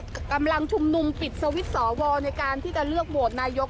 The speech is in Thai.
ตรงนี้เขาก็กำลังชุมนุมปิดสวิทย์สวในการที่จะเลือกหมวดนายก